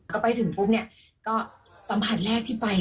ก็ไปถึงปุ๊บเนี่ยก็สัมผัสแรกที่ไป